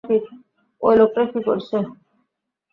ঐ লোকটা করেছে।